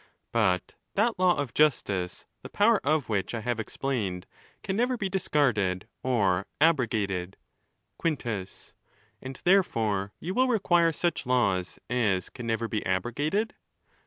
But that law of justice, the power of which I have explained, can never be discarded or abrogated. Quintus.—And, therefore, you will require such laws as can never be abrogated.